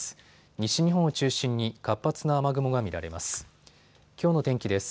西日本を中心に活発な雨雲が見られます。